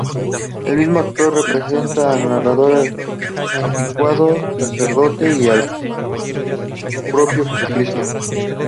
El mismo actor representa al narrador, anticuario, sacerdote y al propio Jesucristo.